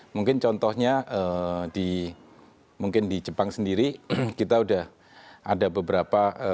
mungkin contohnya di jepang sendiri kita sudah ada beberapa